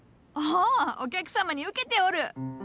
おおお客様にうけておる！